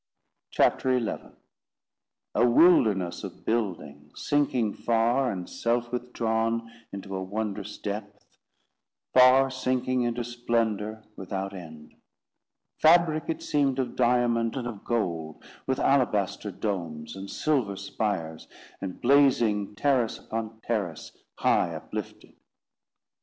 CHAPTER XI "A wilderness of building, sinking far And self withdrawn into a wondrous depth, Far sinking into splendour—without end: Fabric it seemed of diamond and of gold, With alabaster domes, and silver spires, And blazing terrace upon terrace, high Uplifted."